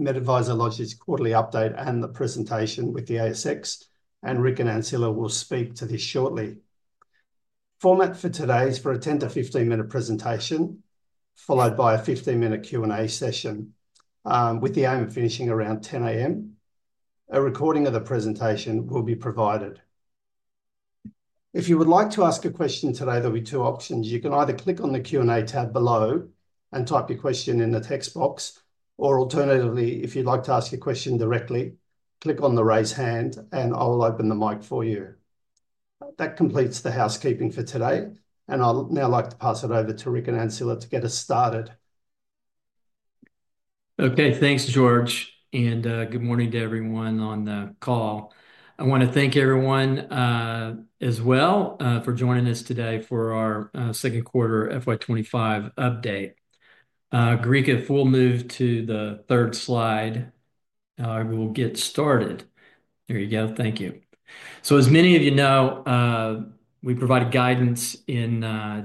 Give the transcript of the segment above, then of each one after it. MedAdvisor lodges quarterly update and the presentation with the ASX, and Rick and Ancila will speak to this shortly. Format for today is for a 10-15-minute presentation, followed by a 15-minute Q&A session, with the aim of finishing around 10:00 A.M. A recording of the presentation will be provided. If you would like to ask a question today, there'll be two options. You can either click on the Q&A tab below and type your question in the text box, or alternatively, if you'd like to ask a question directly, click on the raise hand, and I will open the mic for you. That completes the housekeeping for today, and I'd now like to pass it over to Rick and Ancila to get us started. Okay, thanks, George, and good morning to everyone on the call. I want to thank everyone as well for joining us today for our second quarter FY2026 update. Rick, if we'll move to the Slide 3, we'll get started. There you go. Thank you. So, as many of you know, we provided guidance in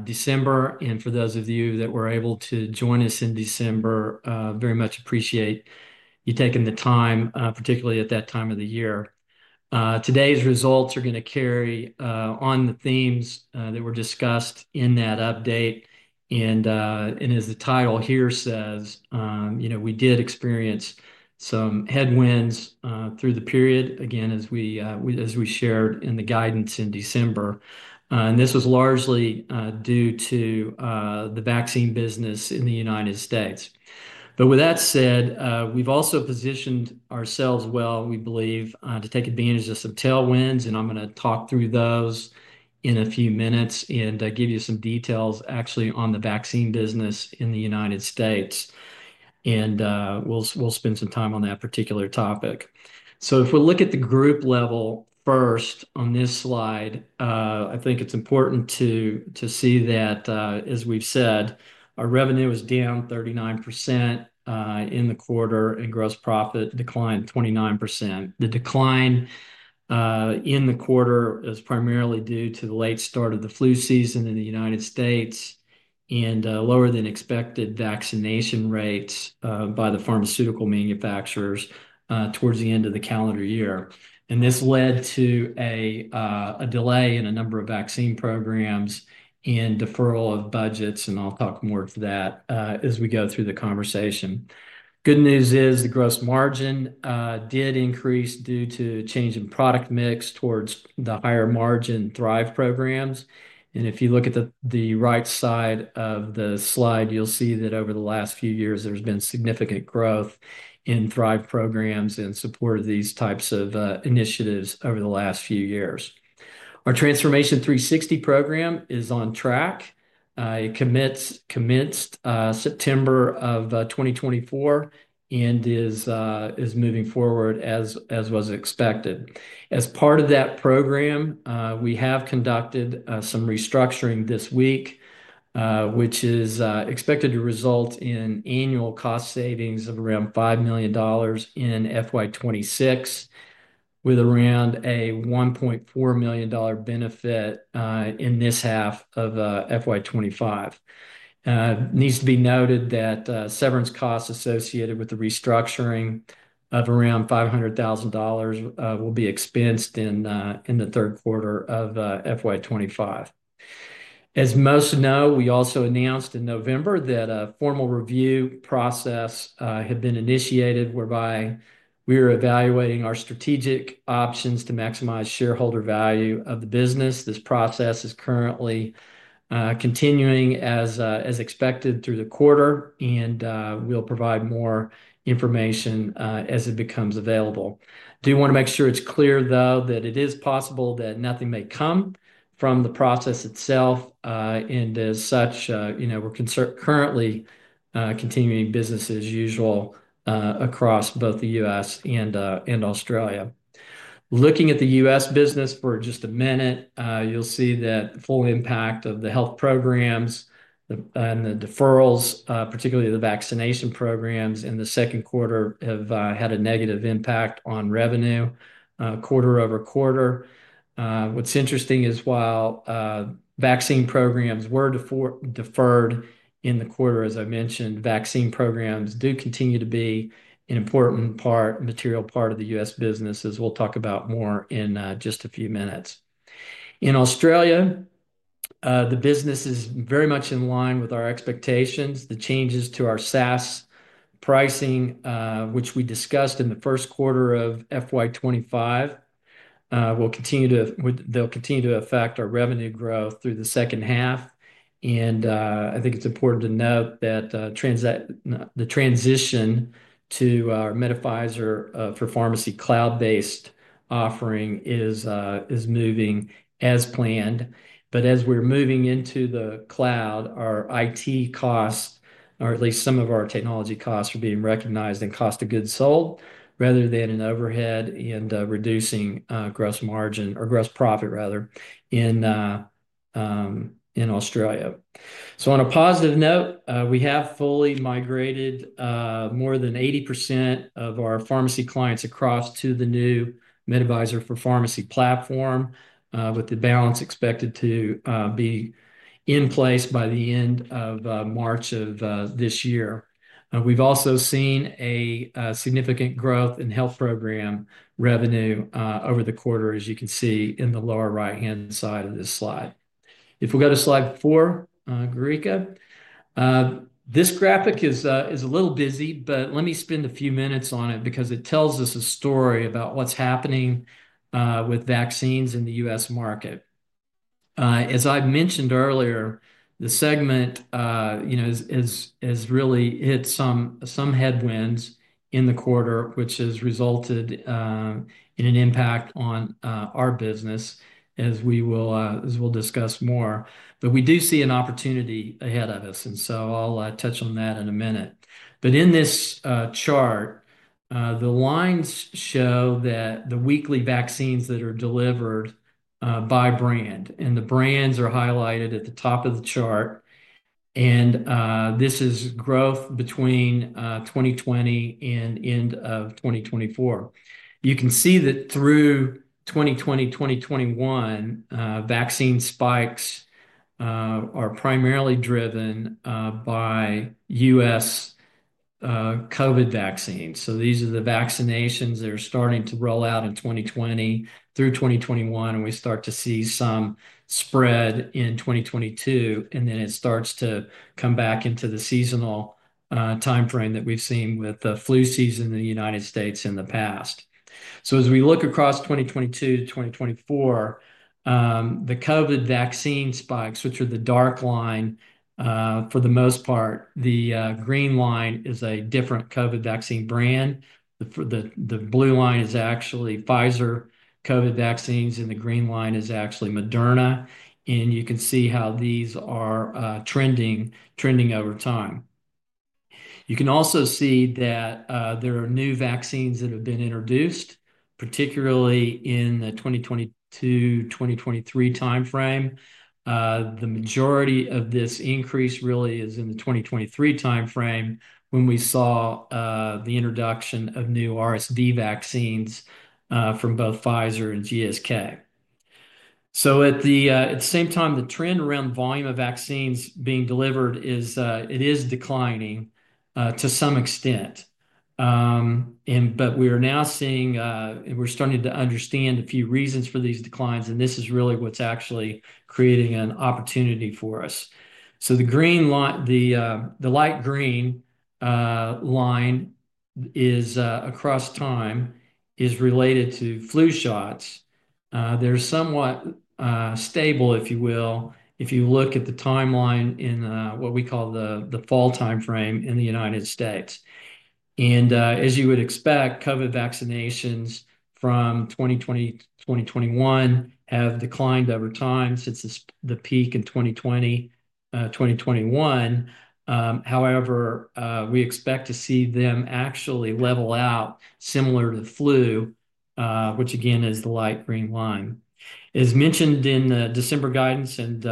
December, and for those of you that were able to join us in December, I very much appreciate you taking the time, particularly at that time of the year. Today's results are going to carry on the themes that were discussed in that update, and as the title here says, we did experience some headwinds through the period, again, as we shared in the guidance in December, and this was largely due to the vaccine business in the United States. but with that said, we've also positioned ourselves well, we believe, to take advantage of some tailwinds, and I'm going to talk through those in a few minutes and give you some details, actually, on the vaccine business in the United States, and we'll spend some time on that particular topic. so, if we look at the group level first on this slide, I think it's important to see that, as we've said, our revenue was down 39% in the quarter, and gross profit declined 29%. The decline in the quarter is primarily due to the late start of the flu season in the United States and lower-than-expected vaccination rates by the pharmaceutical manufacturers towards the end of the calendar year. and this led to a delay in a number of vaccine programs and deferral of budgets, and I'll talk more to that as we go through the conversation. Good news is the gross margin did increase due to a change in product mix towards the higher-margin Thrive programs, and if you look at the right side of the slide, you'll see that over the last few years, there's been significant growth in Thrive programs in support of these types of initiatives over the last few years. Our Transformation 360 program is on track. It commenced September of 2024 and is moving forward as was expected. As part of that program, we have conducted some restructuring this week, which is expected to result in annual cost savings of around 5 million dollars in FY2026, with around a 1.4 million dollar benefit in this half of FY2026. It needs to be noted that severance costs associated with the restructuring of around 500,000 dollars will be expensed in the third quarter of FY2026. As most know, we also announced in November that a formal review process had been initiated whereby we were evaluating our strategic options to maximize shareholder value of the business. This process is currently continuing as expected through the quarter, and we'll provide more information as it becomes available. I do want to make sure it's clear, though, that it is possible that nothing may come from the process itself, and as such, we're currently continuing business as usual across both the U.S. and Australia. Looking at the U.S. business for just a minute, you'll see that the full impact of the health programs and the deferrals, particularly the vaccination programs in the second quarter, have had a negative impact on revenue quarter over quarter. What's interesting is while vaccine programs were deferred in the quarter, as I mentioned, vaccine programs do continue to be an important material part of the U.S. business, as we'll talk about more in just a few minutes. In Australia, the business is very much in line with our expectations. The changes to our SaaS pricing, which we discussed in the first quarter of FY2026, will continue to affect our revenue growth through the second half, and I think it's important to note that the transition to our MedAdvisor for Pharmacy cloud-based offering is moving as planned. But as we're moving into the cloud, our IT costs, or at least some of our technology costs, are being recognized as cost of goods sold rather than as an overhead and reducing gross margin or gross profit, rather, in Australia. So, on a positive note, we have fully migrated more than 80% of our pharmacy clients across to the new MedAdvisor for Pharmacy platform, with the balance expected to be in place by the end of March of this year. We've also seen a significant growth in health program revenue over the quarter, as you can see in the lower right-hand side of this slide. If we go to Slide 4, Rick, this graphic is a little busy, but let me spend a few minutes on it because it tells us a story about what's happening with vaccines in the U.S. market. As I mentioned earlier, the segment has really hit some headwinds in the quarter, which has resulted in an impact on our business, as we will discuss more. But we do see an opportunity ahead of us, and so I'll touch on that in a minute. But in this chart, the lines show that the weekly vaccines that are delivered by brand, and the brands are highlighted at the top of the chart, and this is growth between 2020 and end of 2024. You can see that through 2020-2021, vaccine spikes are primarily driven by U.S. COVID vaccines. So, these are the vaccinations that are starting to roll out in 2020 through 2021, and we start to see some spread in 2022, and then it starts to come back into the seasonal timeframe that we've seen with the flu season in the United States in the past. So, as we look across 2022-2024, the COVID vaccine spikes, which are the dark line for the most part, the green line is a different COVID vaccine brand. The blue line is actually Pfizer COVID vaccines, and the green line is actually Moderna, and you can see how these are trending over time. You can also see that there are new vaccines that have been introduced, particularly in the 2022-2023 timeframe. The majority of this increase really is in the 2023 timeframe when we saw the introduction of new RSV vaccines from both Pfizer and GSK. So, at the same time, the trend around volume of vaccines being delivered is declining to some extent, but we are now seeing and we're starting to understand a few reasons for these declines, and this is really what's actually creating an opportunity for us. So, the light green line across time is related to flu shots. They're somewhat stable, if you will, if you look at the timeline in what we call the fall timeframe in the United States. As you would expect, COVID vaccinations from 2020-2021 have declined over time since the peak in 2020-2021. However, we expect to see them actually level out similar to the flu, which again is the light green line. As mentioned in the December guidance and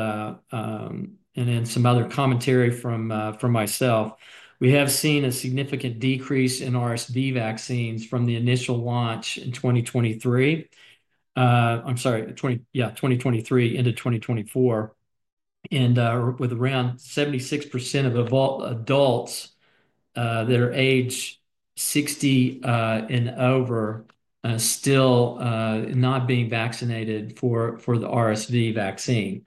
in some other commentary from myself, we have seen a significant decrease in RSV vaccines from the initial launch in 2023, I'm sorry, yeah, 2023 into 2024, and with around 76% of adults that are age 60 and over still not being vaccinated for the RSV vaccine.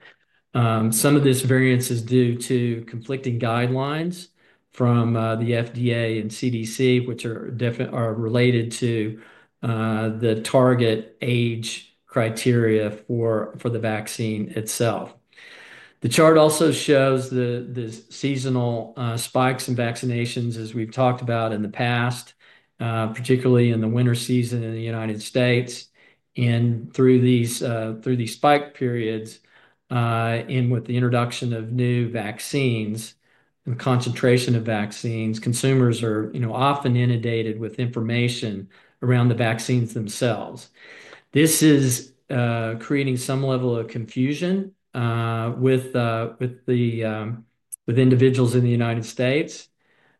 Some of this variance is due to conflicting guidelines from the FDA and CDC, which are related to the target age criteria for the vaccine itself. The chart also shows the seasonal spikes in vaccinations, as we've talked about in the past, particularly in the winter season in the United States. Through these spike periods and with the introduction of new vaccines and concentration of vaccines, consumers are often inundated with information around the vaccines themselves. This is creating some level of confusion with individuals in the United States,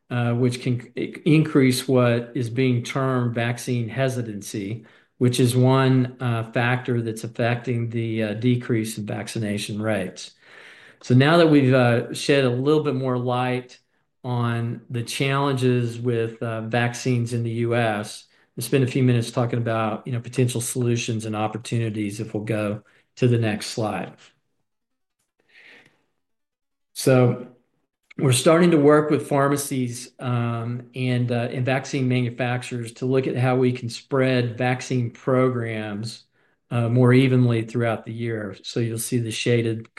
which can increase what is being termed vaccine hesitancy, which is one factor that's affecting the decrease in vaccination rates. Now that we've shed a little bit more light on the challenges with vaccines in the U.S., let's spend a few minutes talking about potential solutions and opportunities if we'll go to the next slide. We're starting to work with pharmacies and vaccine manufacturers to look at how we can spread vaccine programs more evenly throughout the year. You'll see the shaded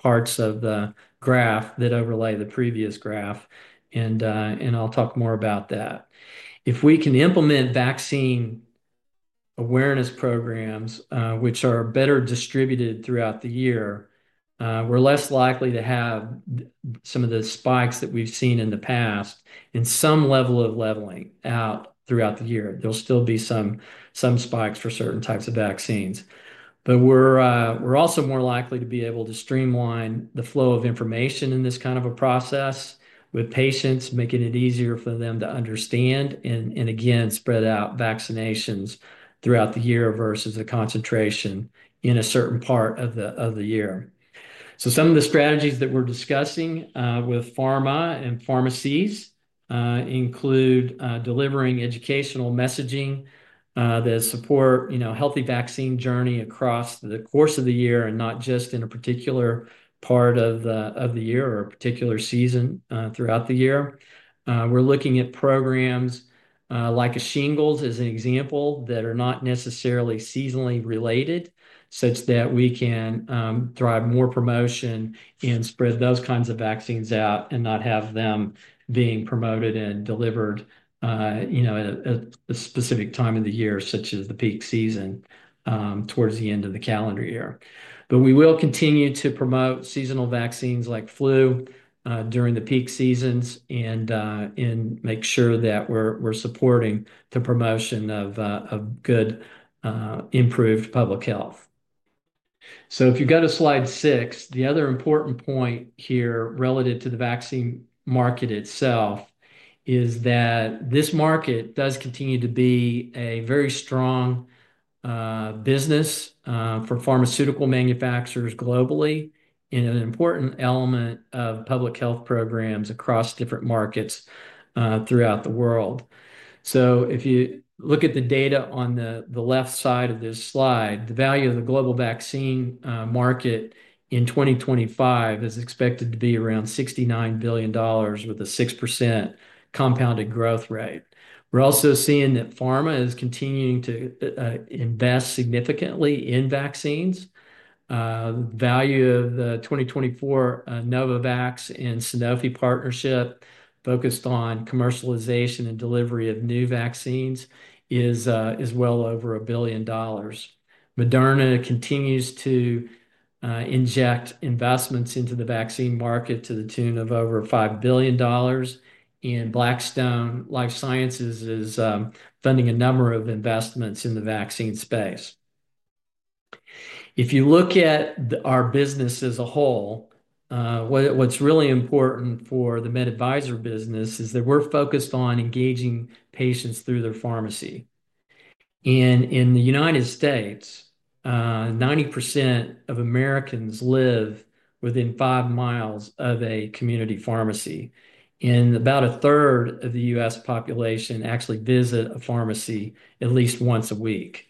parts of the graph that overlay the previous graph, and I'll talk more about that. If we can implement vaccine awareness programs, which are better distributed throughout the year, we're less likely to have some of the spikes that we've seen in the past and some level of leveling out throughout the year. There'll still be some spikes for certain types of vaccines, but we're also more likely to be able to streamline the flow of information in this kind of a process with patients, making it easier for them to understand and, again, spread out vaccinations throughout the year versus the concentration in a certain part of the year. So, some of the strategies that we're discussing with pharma and pharmacies include delivering educational messaging that supports a healthy vaccine journey across the course of the year and not just in a particular part of the year or a particular season throughout the year. We're looking at programs like shingles as an example that are not necessarily seasonally related, such that we can drive more promotion and spread those kinds of vaccines out and not have them being promoted and delivered at a specific time of the year, such as the peak season towards the end of the calendar year. but we will continue to promote seasonal vaccines like flu during the peak seasons and make sure that we're supporting the promotion of good, improved public health. so, if you go to Slide 6, the other important point here relative to the vaccine market itself is that this market does continue to be a very strong business for pharmaceutical manufacturers globally and an important element of public health programs across different markets throughout the world. If you look at the data on the left side of this slide, the value of the global vaccine market in 2025 is expected to be around $69 billion with a 6% compounded growth rate. We're also seeing that pharma is continuing to invest significantly in vaccines. The value of the 2024 Novavax and Sanofi partnership focused on commercialization and delivery of new vaccines is well over a billion dollars. Moderna continues to inject investments into the vaccine market to the tune of over $5 billion, and Blackstone Life Sciences is funding a number of investments in the vaccine space. If you look at our business as a whole, what's really important for the MedAdvisor business is that we're focused on engaging patients through their pharmacy. In the United States, 90% of Americans live within five miles of a community pharmacy, and about a third of the U.S. population actually visits a pharmacy at least once a week.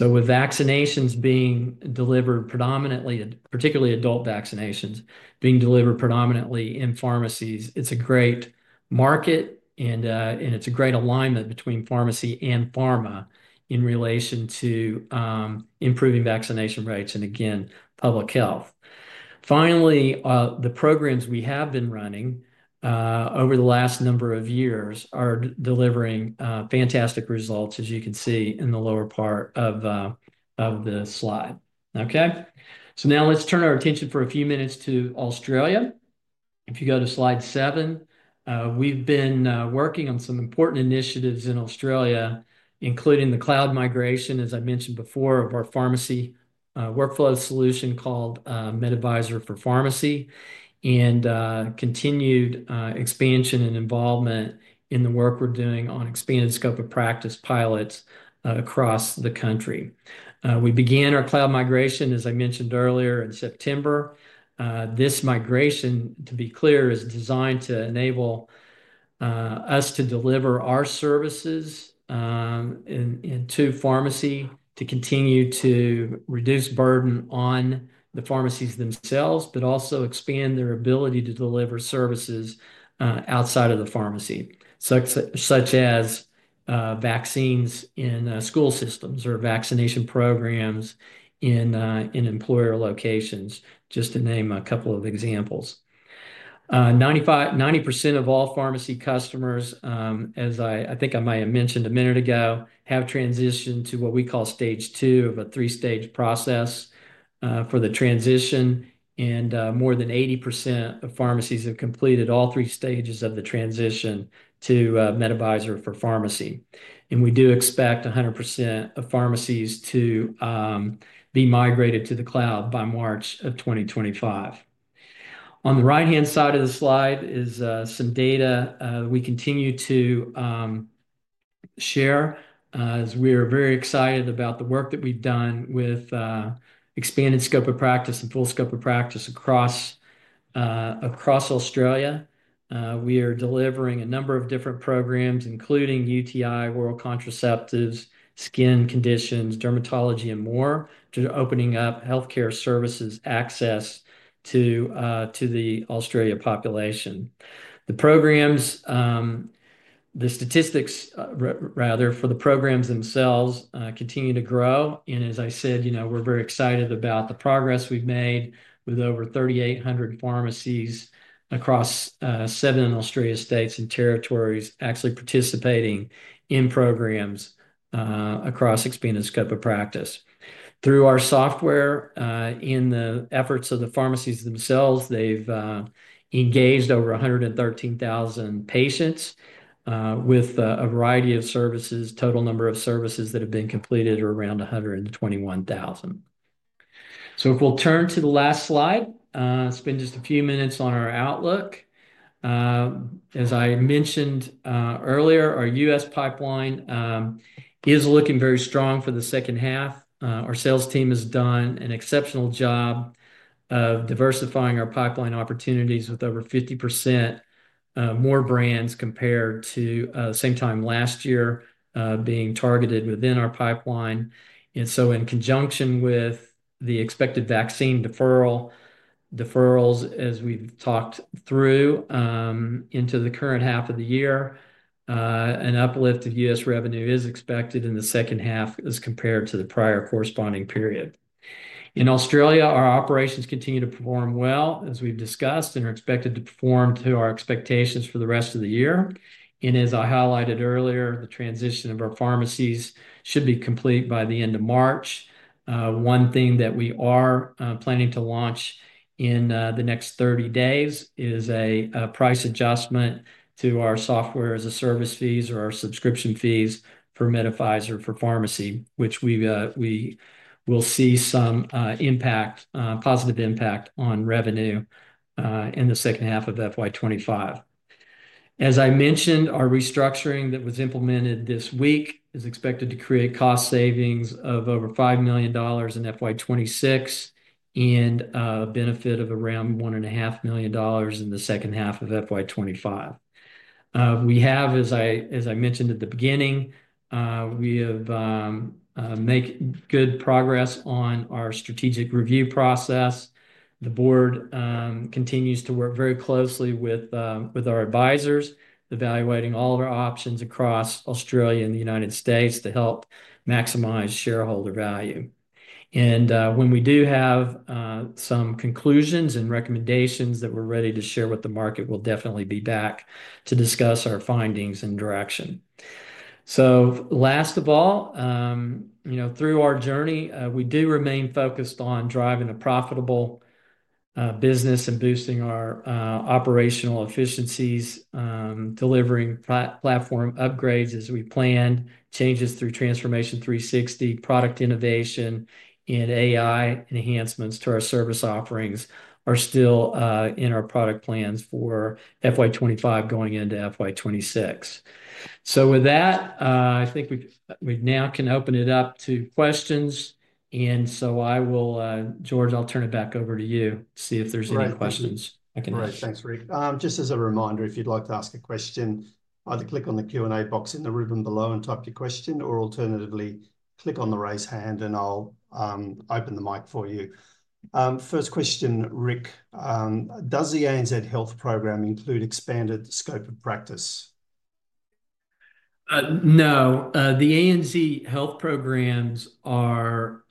With vaccinations being delivered predominantly, particularly adult vaccinations being delivered predominantly in pharmacies, it's a great market, and it's a great alignment between pharmacy and pharma in relation to improving vaccination rates and, again, public health. Finally, the programs we have been running over the last number of years are delivering fantastic results, as you can see in the lower part of the slide. Okay? Now let's turn our attention for a few minutes to Australia. If you go to Slide 7, we've been working on some important initiatives in Australia, including the cloud migration, as I mentioned before, of our pharmacy workflow solution called MedAdvisor for Pharmacy and continued expansion and involvement in the work we're doing on expanded scope of practice pilots across the country. We began our cloud migration, as I mentioned earlier, in September. This migration, to be clear, is designed to enable us to deliver our services to pharmacy to continue to reduce burden on the pharmacies themselves, but also expand their ability to deliver services outside of the pharmacy, such as vaccines in school systems or vaccination programs in employer locations, just to name a couple of examples. 90% of all pharmacy customers, as I think I might have mentioned a minute ago, have transitioned to what we call stage two of a three-stage process for the transition, and more than 80% of pharmacies have completed all three stages of the transition to MedAdvisor for Pharmacy, and we do expect 100% of pharmacies to be migrated to the cloud by March of 2025. On the right-hand side of the slide is some data we continue to share. We are very excited about the work that we've done with expanded scope of practice and full scope of practice across Australia. We are delivering a number of different programs, including UTI, oral contraceptives, skin conditions, dermatology, and more, to opening up healthcare services access to the Australian population. The statistics, rather, for the programs themselves continue to grow. As I said, we're very excited about the progress we've made with over 3,800 pharmacies across seven Australian states and territories actually participating in programs across expanded scope of practice. Through our software, in the efforts of the pharmacies themselves, they've engaged over 113,000 patients with a variety of services. Total number of services that have been completed are around 121,000. So, if we'll turn to the last slide, it's been just a few minutes on our outlook. As I mentioned earlier, our U.S. pipeline is looking very strong for the second half. Our sales team has done an exceptional job of diversifying our pipeline opportunities with over 50% more brands compared to the same time last year being targeted within our pipeline. And so, in conjunction with the expected vaccine deferrals, as we've talked through into the current half of the year, an uplift of U.S. revenue is expected in the second half as compared to the prior corresponding period. In Australia, our operations continue to perform well, as we've discussed, and are expected to perform to our expectations for the rest of the year. And as I highlighted earlier, the transition of our pharmacies should be complete by the end of March. One thing that we are planning to launch in the next 30 days is a price adjustment to our software as a service fees or our subscription fees for MedAdvisor for Pharmacy, which we will see some positive impact on revenue in the second half of FY2026. As I mentioned, our restructuring that was implemented this week is expected to create cost savings of over 5 million dollars in FY2026 and a benefit of around 1.5 million dollars in the second half of FY2026. We have, as I mentioned at the beginning, we have made good progress on our strategic review process. The board continues to work very closely with our advisors, evaluating all of our options across Australia and the United States to help maximize shareholder value. And when we do have some conclusions and recommendations that we're ready to share with the market, we'll definitely be back to discuss our findings and direction. So, last of all, through our journey, we do remain focused on driving a profitable business and boosting our operational efficiencies, delivering platform upgrades as we planned, changes through Transformation 360, product innovation, and AI enhancements to our service offerings are still in our product plans for FY2026 going into FY2026. So, with that, I think we now can open it up to questions. And so, George, I'll turn it back over to you to see if there's any questions. All right. Thanks, Rick. Just as a reminder, if you'd like to ask a question, either click on the Q&A box in the ribbon below and type your question, or alternatively, click on the raise hand, and I'll open the mic for you. First question, Rick, does the ANZ Health program include expanded scope of practice? No. The ANZ Health programs are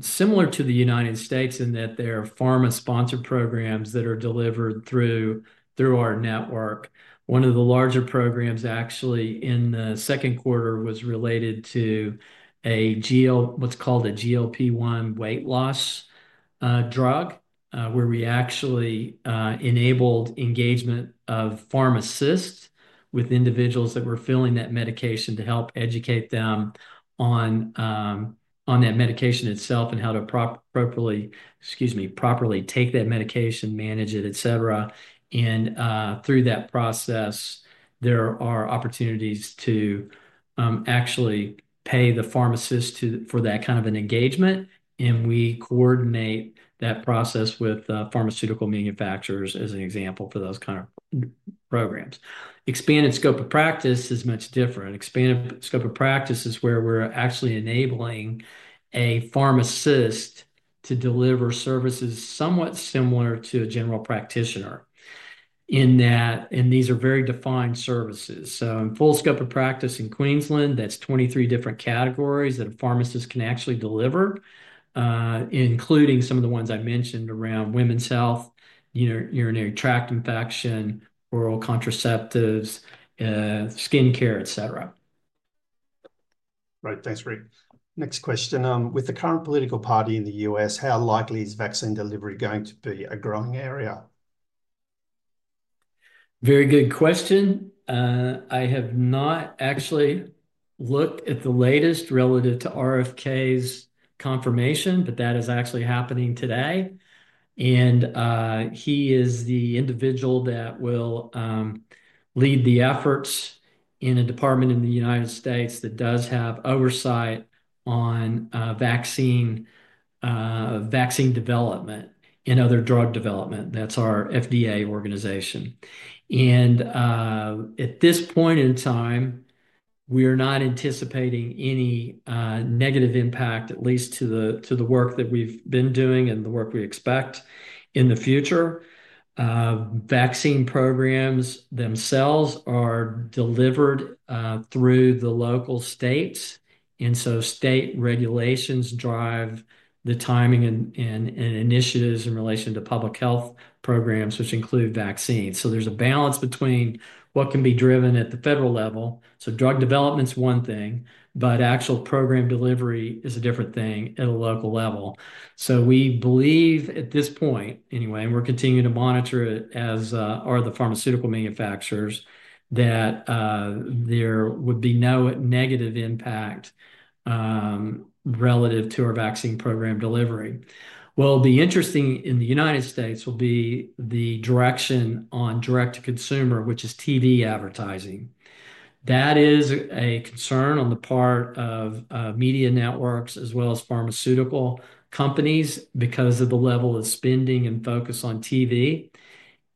similar to the United States in that they're pharma-sponsored programs that are delivered through our network. One of the larger programs, actually, in the second quarter was related to what's called a GLP-1 weight loss drug, where we actually enabled engagement of pharmacists with individuals that were filling that medication to help educate them on that medication itself and how to properly take that medication, manage it, etc. And through that process, there are opportunities to actually pay the pharmacists for that kind of an engagement, and we coordinate that process with pharmaceutical manufacturers as an example for those kinds of programs, expanded scope of practice is much different. Expanded scope of practice is where we're actually enabling a pharmacist to deliver services somewhat similar to a general practitioner, and these are very defined services. In full scope of practice in Queensland, that's 23 different categories that a pharmacist can actually deliver, including some of the ones I mentioned around women's health, urinary tract infection, oral contraceptives, skincare, etc. Right. Thanks, Rick. Next question. With the current political party in the U.S., how likely is vaccine delivery going to be a growing area? Very good question. I have not actually looked at the latest relative to RFK's confirmation, but that is actually happening today, and he is the individual that will lead the efforts in a department in the United States that does have oversight on vaccine development and other drug development. That's our FDA organization, and at this point in time, we are not anticipating any negative impact, at least to the work that we've been doing and the work we expect in the future. Vaccine programs themselves are delivered through the local states, and so state regulations drive the timing and initiatives in relation to public health programs, which include vaccines, so there's a balance between what can be driven at the federal level, so drug development's one thing, but actual program delivery is a different thing at a local level. So, we believe at this point, anyway, and we're continuing to monitor it, as are the pharmaceutical manufacturers, that there would be no negative impact relative to our vaccine program delivery. Well, the interesting thing in the United States will be the direction on direct-to-consumer, which is TV advertising. That is a concern on the part of media networks as well as pharmaceutical companies because of the level of spending and focus on TV.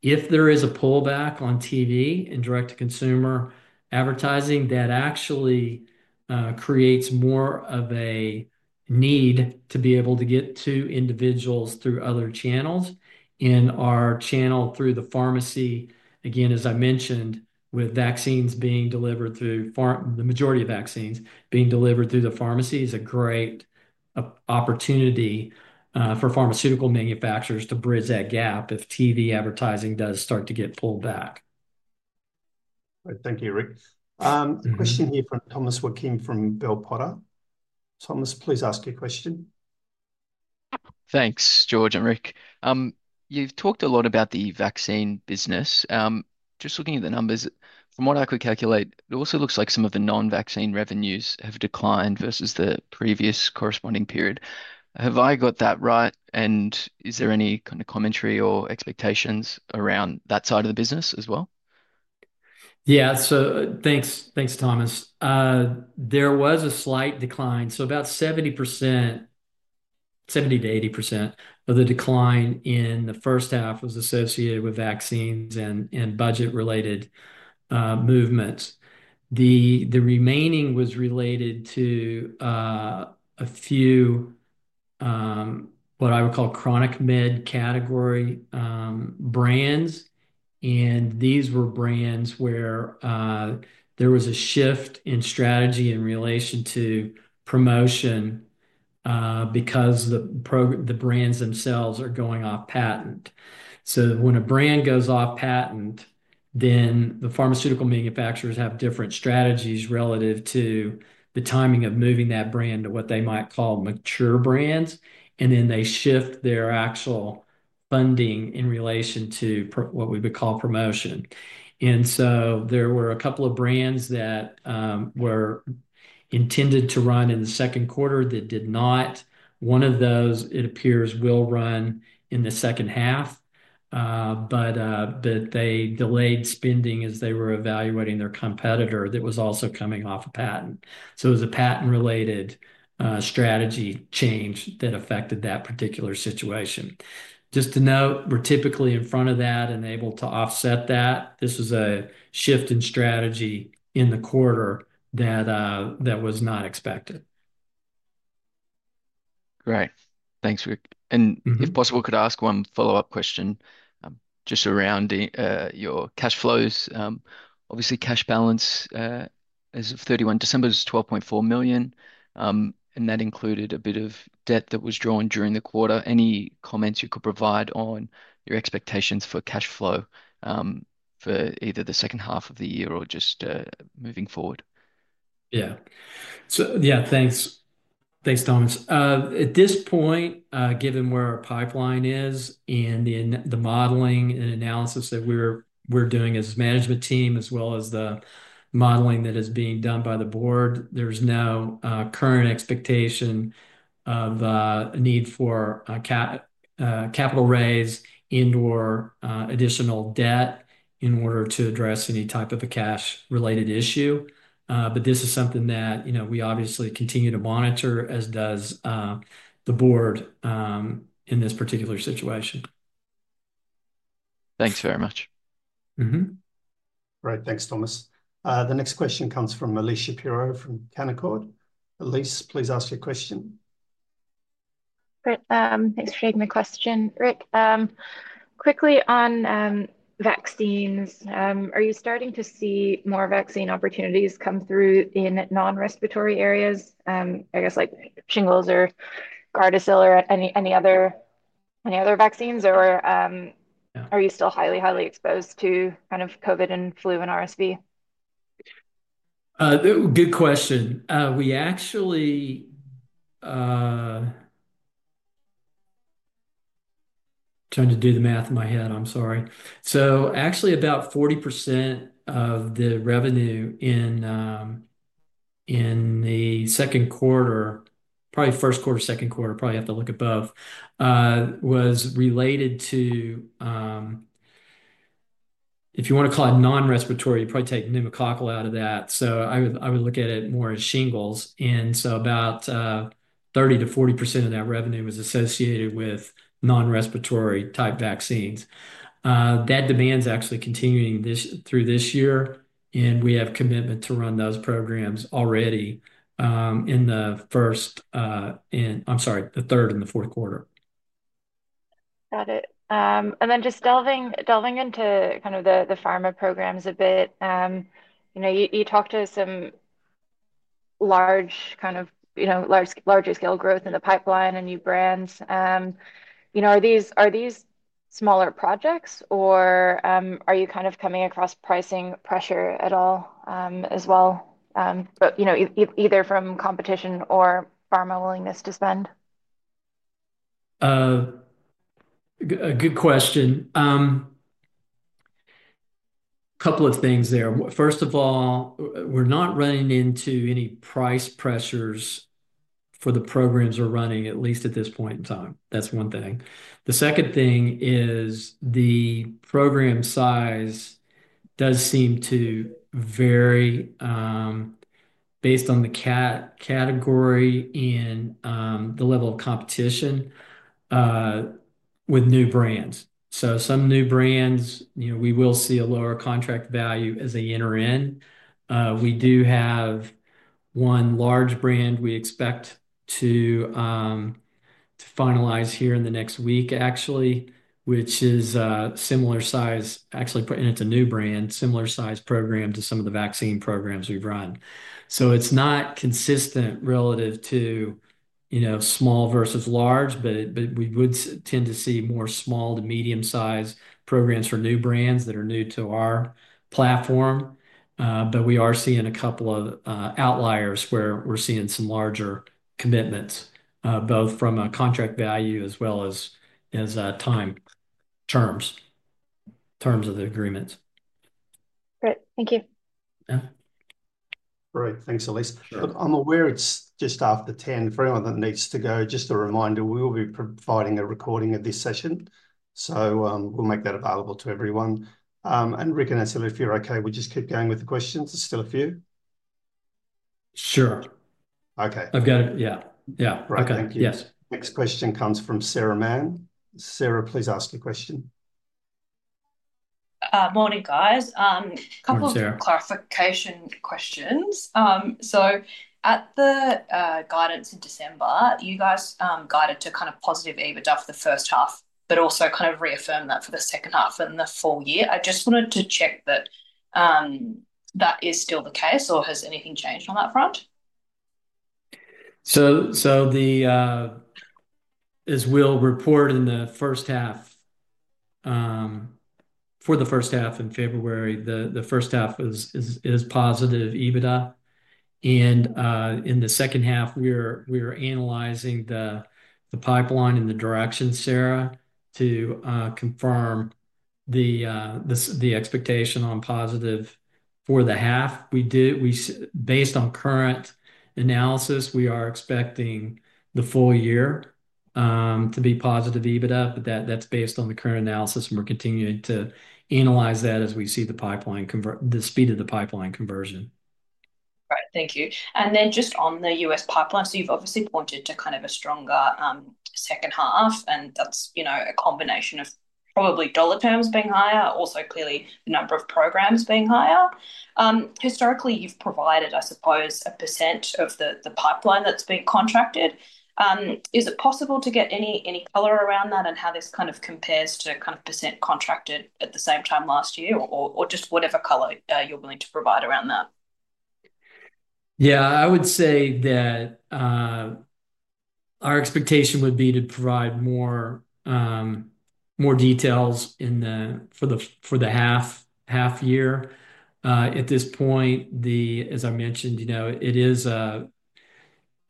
If there is a pullback on TV and direct-to-consumer advertising, that actually creates more of a need to be able to get to individuals through other channels, and our channel through the pharmacy, again, as I mentioned, with vaccines being delivered through the majority of vaccines being delivered through the pharmacy is a great opportunity for pharmaceutical manufacturers to bridge that gap if TV advertising does start to get pulled back. Thank you, Rick. Question here from Thomas Wakim from Bell Potter. Thomas, please ask your question. Thanks, George and Rick. You've talked a lot about the vaccine business. Just looking at the numbers, from what I could calculate, it also looks like some of the non-vaccine revenues have declined versus the previous corresponding period. Have I got that right? And is there any kind of commentary or expectations around that side of the business as well? Yeah. So thanks, Thomas. There was a slight decline, so about 70%, 70%-80% of the decline in the first half was associated with vaccines and budget-related movements. The remaining was related to a few, what I would call, chronic med category brands. And these were brands where there was a shift in strategy in relation to promotion because the brands themselves are going off patent, so when a brand goes off patent, then the pharmaceutical manufacturers have different strategies relative to the timing of moving that brand to what they might call mature brands, and then they shift their actual funding in relation to what we would call promotion, and so there were a couple of brands that were intended to run in the second quarter that did not. One of those, it appears, will run in the second half, but they delayed spending as they were evaluating their competitor that was also coming off a patent. So, it was a patent-related strategy change that affected that particular situation. Just to note, we're typically in front of that and able to offset that. This was a shift in strategy in the quarter that was not expected. Great. Thanks, Rick. And if possible, could I ask one follow-up question just around your cash flows? Obviously, cash balance as of December 31 is 12.4 million, and that included a bit of debt that was drawn during the quarter. Any comments you could provide on your expectations for cash flow for either the second half of the year or just moving forward? Yeah. So, yeah, thanks. Thanks, Thomas. At this point, given where our pipeline is and the modeling and analysis that we're doing as a management team as well as the modeling that is being done by the board, there's no current expectation of a need for capital raise and/or additional debt in order to address any type of a cash-related issue. But this is something that we obviously continue to monitor, as does the board in this particular situation. Thanks very much. Right. Thanks, Thomas. The next question comes from Elyse Shapiro from Canaccord. Elyse, please ask your question. Thanks for taking the question. Rick, quickly on vaccines, are you starting to see more vaccine opportunities come through in non-respiratory areas, I guess, like shingles or Gardasil or any other vaccines, or are you still highly, highly exposed to kind of COVID and flu and RSV? Good question. We actually, trying to do the math in my head. I'm sorry. So, actually, about 40% of the revenue in the second quarter, probably first quarter, second quarter, probably have to look at both, was related to, if you want to call it non-respiratory, you'd probably take pneumococcal out of that. So, I would look at it more as shingles. And so, about 30%-40% of that revenue was associated with non-respiratory-type vaccines. That demand's actually continuing through this year, and we have commitment to run those programs already in the first, I'm sorry, the third and the fourth quarter. Got it. And then just delving into kind of the pharma programs a bit, you talked to some large kind of larger scale growth in the pipeline and new brands. Are these smaller projects, or are you kind of coming across pricing pressure at all as well, either from competition or pharma willingness to spend? Good question. A couple of things there. First of all, we're not running into any price pressures for the programs we're running, at least at this point in time. That's one thing. The second thing is the program size does seem to vary based on the category and the level of competition with new brands. So, some new brands, we will see a lower contract value as they enter in. We do have one large brand we expect to finalize here in the next week, actually, which is a similar size, actually, and it's a new brand, similar size program to some of the vaccine programs we've run. So, it's not consistent relative to small versus large, but we would tend to see more small to medium size programs for new brands that are new to our platform. But we are seeing a couple of outliers where we're seeing some larger commitments, both from a contract value as well as time terms of the agreements. Great. Thank you. Great. Thanks, Elyse. I'm aware it's just after 10:00 A.M. for anyone that needs to go. Just a reminder, we will be providing a recording of this session. So, we'll make that available to everyone. And Rick and Ancila, if you're okay, we just keep going with the questions. There's still a few. Sure. Okay. I've got it. Yeah. Yeah. Right. Thank you. Next question comes from Sarah Mann. Sarah, please ask your question. Morning, guys. A couple of clarification questions. So, at the guidance in December, you guys guided to kind of positive EBITDA for the first half, but also kind of reaffirmed that for the second half in the full year. I just wanted to check that that is still the case, or has anything changed on that front? As we'll report in the first half for the first half in February, the first half is positive EBITDA. In the second half, we're analyzing the pipeline and the direction, Sarah, to confirm the expectation on positive for the half. Based on current analysis, we are expecting the full year to be positive EBITDA, but that's based on the current analysis, and we're continuing to analyze that as we see the speed of the pipeline conversion. Right. Thank you. And then just on the U.S. pipeline, so you've obviously pointed to kind of a stronger second half, and that's a combination of probably dollar terms being higher, also clearly the number of programs being higher. Historically, you've provided, I suppose, a percent of the pipeline that's been contracted. Is it possible to get any color around that and how this kind of compares to kind of percent contracted at the same time last year, or just whatever color you're willing to provide around that? Yeah. I would say that our expectation would be to provide more details for the half year. At this point, as I mentioned, it is a,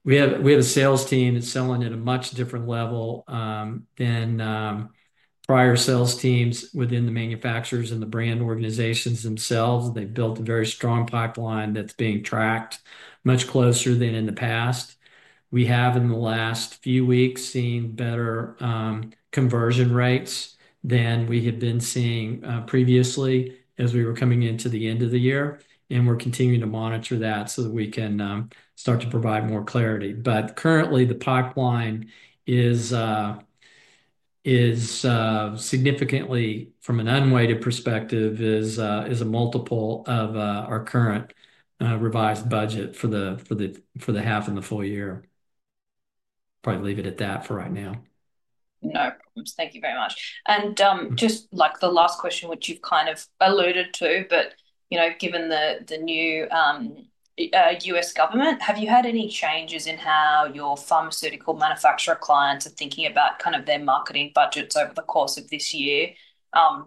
we have a sales team that's selling at a much different level than prior sales teams within the manufacturers and the brand organizations themselves. They've built a very strong pipeline that's being tracked much closer than in the past. We have, in the last few weeks, seen better conversion rates than we had been seeing previously as we were coming into the end of the year. And we're continuing to monitor that so that we can start to provide more clarity. But currently, the pipeline is significantly, from an unweighted perspective, is a multiple of our current revised budget for the half and the full year. Probably leave it at that for right now. No problems. Thank you very much, and just like the last question, which you've kind of alluded to, but given the new U.S. government, have you had any changes in how your pharmaceutical manufacturer clients are thinking about kind of their marketing budgets over the course of this year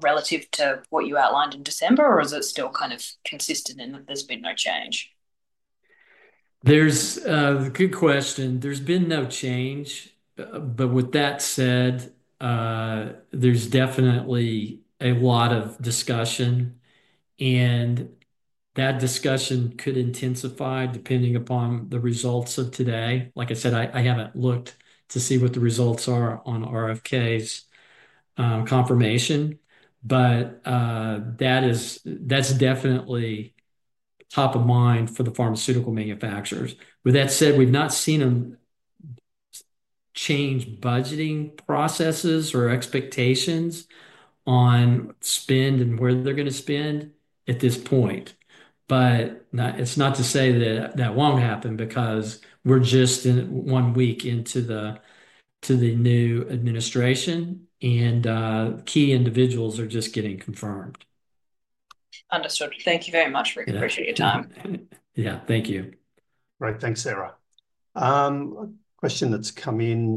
relative to what you outlined in December, or is it still kind of consistent in that there's been no change? There's a good question. There's been no change, but with that said, there's definitely a lot of discussion, and that discussion could intensify depending upon the results of today. Like I said, I haven't looked to see what the results are on RFK's confirmation, but that's definitely top of mind for the pharmaceutical manufacturers. With that said, we've not seen them change budgeting processes or expectations on spend and where they're going to spend at this point, but it's not to say that that won't happen because we're just one week into the new administration, and key individuals are just getting confirmed. Understood. Thank you very much, Rick. Appreciate your time. Yeah. Thank you. Right. Thanks, Sarah. Question that's come in.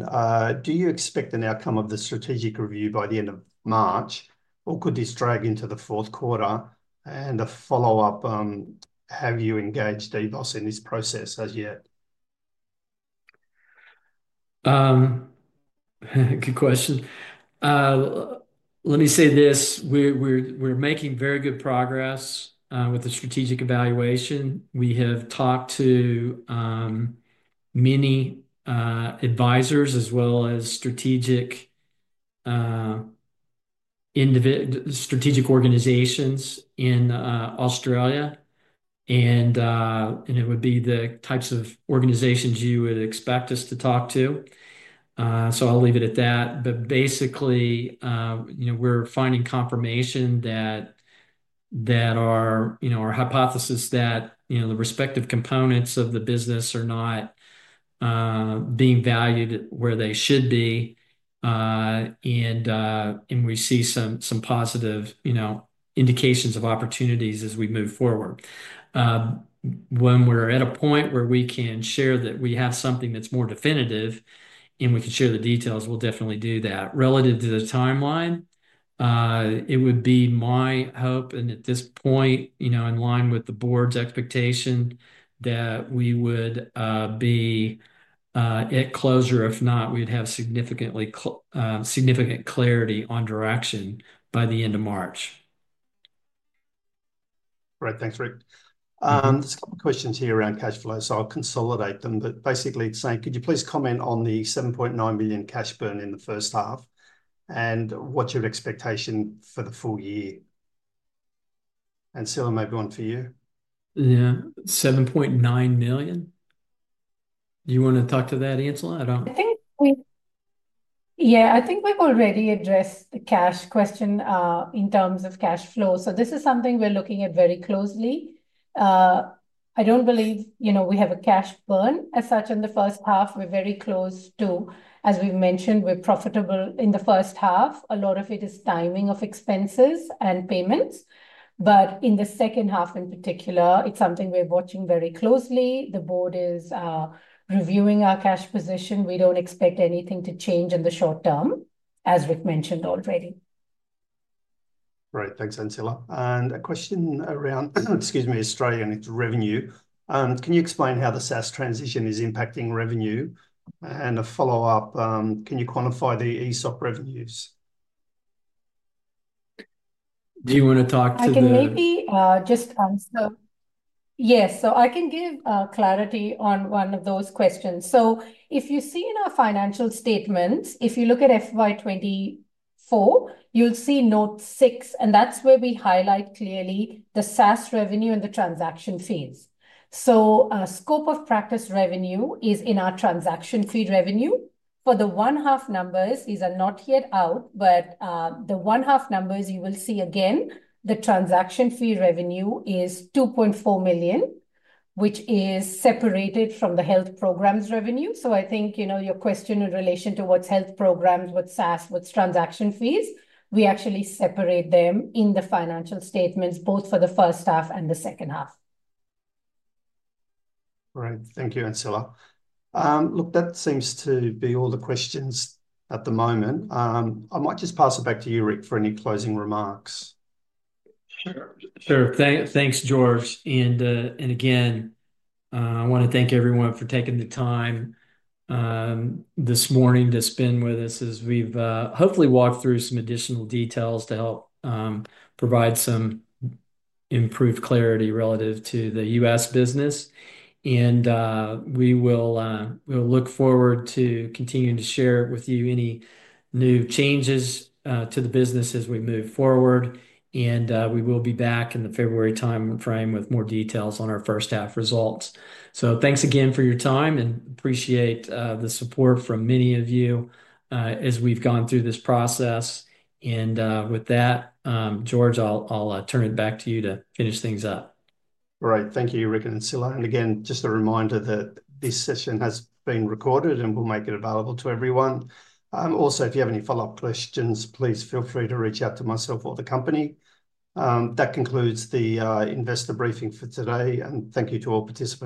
Do you expect an outcome of the strategic review by the end of March, or could this drag into the fourth quarter? And a follow-up, have you engaged EBOS in this process as yet? Good question. Let me say this. We're making very good progress with the strategic evaluation. We have talked to many advisors as well as strategic organizations in Australia. And it would be the types of organizations you would expect us to talk to. So I'll leave it at that. But basically, we're finding confirmation that our hypothesis that the respective components of the business are not being valued where they should be. And we see some positive indications of opportunities as we move forward. When we're at a point where we can share that we have something that's more definitive and we can share the details, we'll definitely do that. Relative to the timeline, it would be my hope, and at this point, in line with the board's expectation, that we would be at closure. If not, we'd have significant clarity on direction by the end of March. Right. Thanks, Rick. There's a couple of questions here around cash flow. So I'll consolidate them. But basically, saying, could you please comment on the 7.9 million cash burn in the first half and what's your expectation for the full year? Ancila, maybe one for you? Yeah. 7.9 million. Do you want to talk to that, Ancila? I don't. Yeah. I think we've already addressed the cash question in terms of cash flow. So this is something we're looking at very closely. I don't believe we have a cash burn as such in the first half. We're very close to, as we've mentioned, we're profitable in the first half. A lot of it is timing of expenses and payments. But in the second half, in particular, it's something we're watching very closely. The board is reviewing our cash position. We don't expect anything to change in the short term, as Rick mentioned already. Right. Thanks, Ancila. And a question around, excuse me, Australia, and its revenue. Can you explain how the SaaS transition is impacting revenue? And a follow-up, can you quantify the ESOP revenues? Do you want to talk to the? I can maybe just answer. Yes, so I can give clarity on one of those questions. If you see in our financial statements, if you look at FY24, you'll see note 6, and that's where we highlight clearly the SaaS revenue and the transaction fees, so scope of practice revenue is in our transaction fee revenue. For the one-half numbers, these are not yet out, but the one-half numbers, you will see again, the transaction fee revenue is 2.4 million, which is separated from the health programs revenue, so I think your question in relation to what's health programs, what's SaaS, what's transaction fees, we actually separate them in the financial statements, both for the first half and the second half. Right. Thank you, Ancila. Look, that seems to be all the questions at the moment. I might just pass it back to you, Rick, for any closing remarks. Sure. Thanks, George. And again, I want to thank everyone for taking the time this morning to spend with us as we've hopefully walked through some additional details to help provide some improved clarity relative to the US business. And we will look forward to continuing to share with you any new changes to the business as we move forward. And we will be back in the February time frame with more details on our first half results. So thanks again for your time, and appreciate the support from many of you as we've gone through this process. And with that, George, I'll turn it back to you to finish things up. All right. Thank you, Rick and Ancila. And again, just a reminder that this session has been recorded and we'll make it available to everyone. Also, if you have any follow-up questions, please feel free to reach out to myself or the company. That concludes the investor briefing for today. And thank you to all participants.